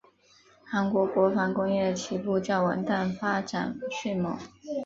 韩国国防工业起步较晚但发展迅猛。